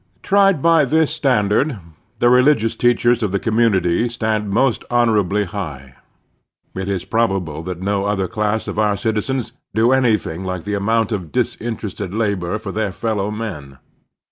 Tried by this standard, the religious teachers of the commtmity stand most honorably high. It is probable that no other class of our citizens do anything like the amotmt of disinterested labor for their fellow men.